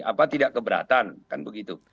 apa tidak keberatan kan begitu